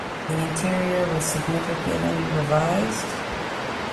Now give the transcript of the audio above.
The interior was significantly revised.